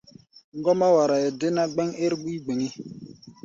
Ŋgɔ́mbá waraʼɛ dé ná, gbɛ́ŋ ɛ́r-wí gbɛŋí.